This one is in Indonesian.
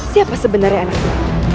siapa sebenarnya anakku